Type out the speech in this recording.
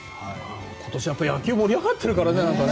今年は野球盛り上がってるからね。